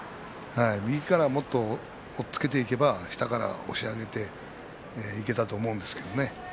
右からもっと押っつけていけば下から押し上げていけたと思うんですけどね。